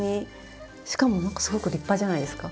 しかもなんかすごく立派じゃないですか。